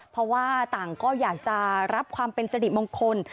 เพราะว่าต่างก็อยากจะรับความเป็นสริมงคล